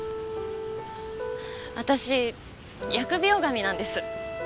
私疫病神なんです。